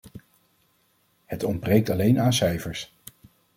Het ontbreekt alleen aan cijfers.